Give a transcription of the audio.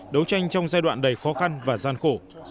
đấu tranh trong giai đoạn đầy khó khăn và gian khổ